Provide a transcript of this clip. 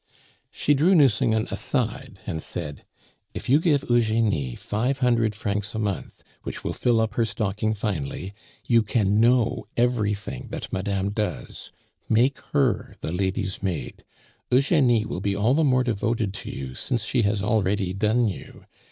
She drew Nucingen aside and said: "If you give Eugenie five hundred francs a month, which will fill up her stocking finely, you can know everything that madame does: make her the lady's maid. Eugenie will be all the more devoted to you since she has already done you.